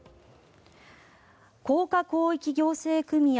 甲賀広域行政組合